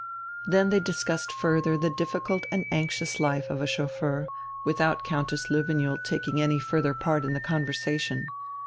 They then discussed further the difficult and anxious life of a chauffeur, without Countess Löwenjoul taking any further part in the conversation.